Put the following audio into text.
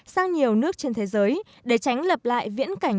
sang nhiều nước trên thế giới để tránh lập lại viễn cảnh